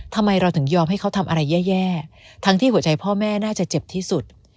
ทำไมเราถึงยอมให้เขาทำอะไรแย่ทั้งที่หัวใจพ่อแม่น่าจะเจ็บที่สุด